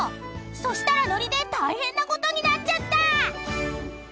［そしたらノリで大変なことになっちゃった！］